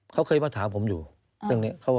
เขาเคยมาถามผมอยู่เรื่องนี้